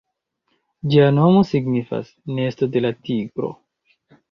Ĝia nomo signifas "Nesto de la Tigro".